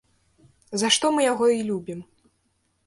За што мы яго і любім.